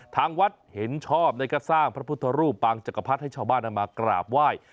ทางวัดเห็นชอบสร้างพระพุทธรูปปางจักรพรรดิให้ชาวบ้านเอามากราบไหว้